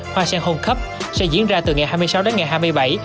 hoa sen hôn khắp sẽ diễn ra từ ngày hai mươi sáu đến ngày hai mươi bảy